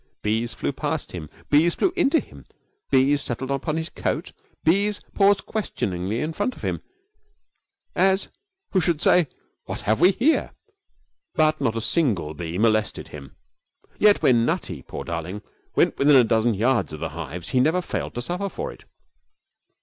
Bees flew past him, bees flew into him, bees settled upon his coat, bees paused questioningly in front of him, as who should say, 'What have we here?' but not a single bee molested him. Yet when Nutty, poor darling, went within a dozen yards of the hives he never failed to suffer for it.